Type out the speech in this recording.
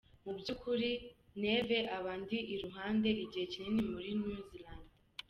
"Mu by'ukuri Neve aba andi iruhande igihe kinini muri New Zealand.